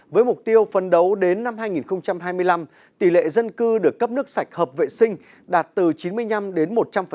với mục tiêu phân đấu đến năm hai nghìn hai mươi năm tỷ lệ dân cư được cấp nước sạch hợp vệ sinh đạt từ chín mươi năm đến một trăm linh